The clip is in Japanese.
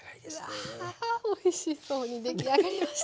うわおいしそうに出来上がりました。